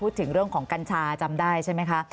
พูดถึงเรื่องของกัญชาจำได้ใช่ไหมคะ